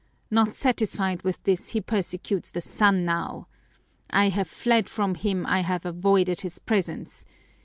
Not satisfied with this, he persecutes the son now! I have fled from him, I have avoided his presence.